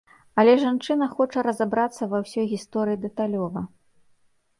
Але жанчына хоча разабрацца ва ўсёй гісторыі дэталёва.